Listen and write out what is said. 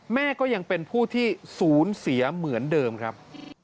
แม่ก็ยังเป็นผู้ที่ศูนย์เสียเหมือนเดิมครับ